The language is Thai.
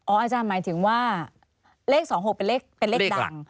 อ๋ออาจารย์หมายถึงว่าเลข๒๖เป็นเลขดัง